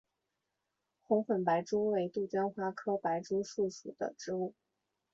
红粉白珠为杜鹃花科白珠树属的植物。